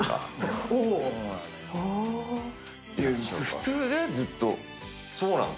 普通だよ、ずっと。